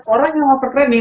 orang yang overtraining